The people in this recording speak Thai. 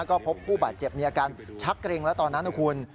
ก็พบผู้บาดเจ็บมีอาการชักเกร็งแล้วตอนนั้นนะคุณ